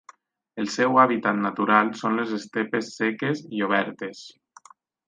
El seu hàbitat natural són les estepes seques i obertes.